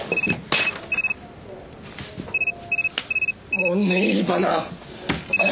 もう寝入りばな。